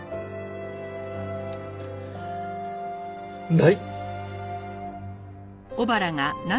ない。